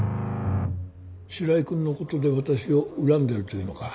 白井君のことで私を恨んでいるというのか。